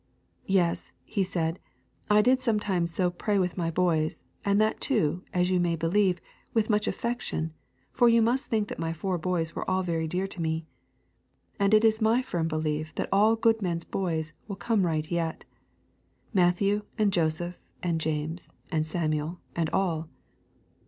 Yes, he said, I did sometimes so pray with my boys, and that too, as you may believe, with much affection, for you must think that my four boys were all very dear to me. And it is my firm belief that all that good man's boys will come right yet: Matthew and Joseph and James and Samuel and all.